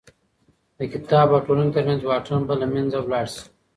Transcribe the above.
د کتاب او ټولني تر منځ واټن به له منځه لاړ سي.